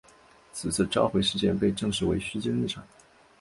此次召回事件被证实为虚惊一场。